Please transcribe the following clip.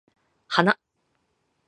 花